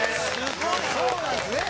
そうなんですね。